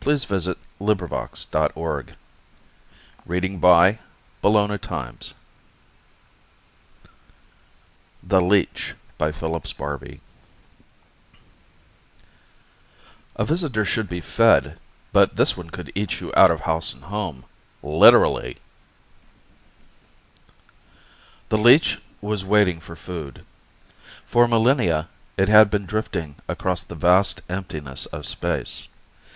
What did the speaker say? net [Illustration: Illustrated by CONNELL] the Leech By PHILLIPS BARBEE A visitor should be fed, but this one could eat you out of house and home ... literally! The leech was waiting for food. For millennia it had been drifting across the vast emptiness of space.